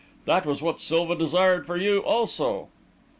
That was what Silva desired for you, also."